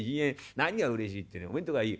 何がうれしいってねおめえんとこはいい。